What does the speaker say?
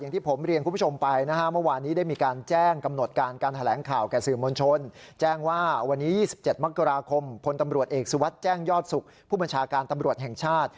อย่างที่ผมเรียงคุณผู้ชมไปนะฮะ